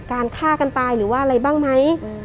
ฆ่ากันตายหรือว่าอะไรบ้างไหม